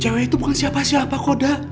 cewek itu bukan siapa siapa kok dada